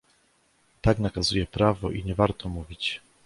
"Tak nakazuje prawo i nie warto mówić."